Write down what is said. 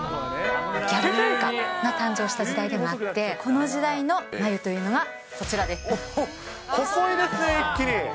ギャル文化が誕生した時代でもあって、この時代の眉というのはこ細いですね、一気に。